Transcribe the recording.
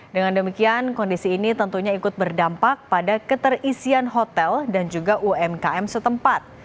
dengan demikian kondisi ini tentunya ikut berdampak pada keterisian hotel dan juga umkm setempat